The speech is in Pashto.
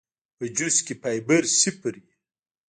پۀ جوس کښې فائبر صفر وي